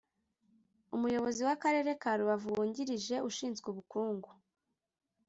umuyobozi w’akarere ka Rubavu wungirije ushinzwe ubukungu